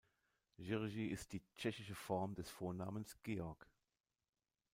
Jiří ist die tschechische Form des Vornamens Georg.